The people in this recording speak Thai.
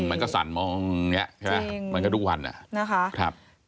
มันก็สั่นมันก็ดูแลนิดนึง